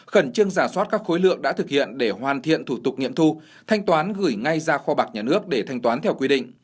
khẩn trương giả soát các khối lượng đã thực hiện để hoàn thiện thủ tục nghiệm thu thanh toán gửi ngay ra kho bạc nhà nước để thanh toán theo quy định